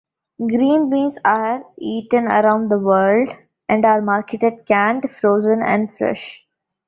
Green beans are eaten around the world, and are marketed canned, frozen, and fresh.